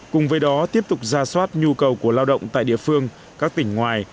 cùng với đó tiếp tục ra soát nhu cầu của lao động tại địa phương các tỉnh ngoài